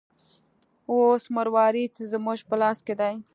اوس مروارید زموږ په لاس کې دی.